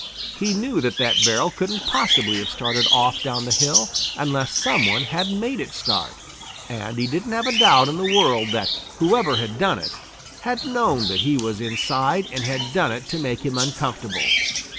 He knew that that barrel couldn't possibly have started off down the hill unless some one had made it start, and he didn't have a doubt in the world that whoever had done it, had known that he was inside and had done it to make him uncomfortable.